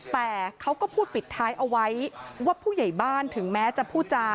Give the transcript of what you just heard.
แต่เขาก็พูดปิดท้ายเอาไว้ว่าผู้ใหญ่บ้านถึงแม้จะพูดจา